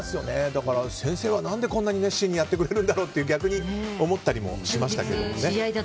だから先生は何でこんなに熱心にやってくれるんだろうって逆に思ったりもしましたけど。